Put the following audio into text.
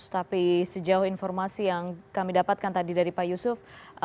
tapi sejauh informasi yang kami dapatkan tadi dari pak yusuf